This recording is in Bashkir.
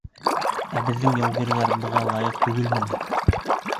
Ә беҙҙең яугирҙәр быға лайыҡ түгелме ни?